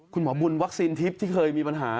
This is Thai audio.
คุณหมอบุญวัคซีนทิพย์ที่เคยมีปัญหา